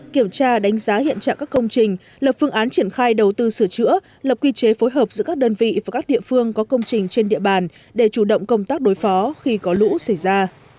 kiểm tra đánh giá hiện trạng các công trình lập phương án triển khai đầu tư sửa chữa lập quy chế phối hợp giữa các đơn vị và các địa phương có công trình trên địa bàn để chủ động công tác đối phó khi có lũ xảy ra